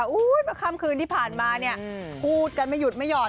เมื่อค่ำคืนที่ผ่านมาเนี่ยพูดกันไม่หยุดไม่ห่อ